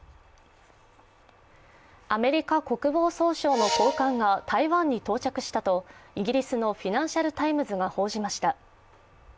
アメリカ国防総省の高官が台湾に到着したとイギリスの「フィナンシャル・タイムズ」が報じました。